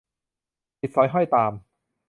ติดสอยห้อยตาม